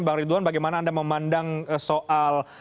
bang ridwan bagaimana anda memandang soal